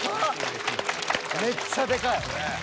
めっちゃでかい。